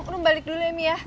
rum rum balik dulu ya mi ya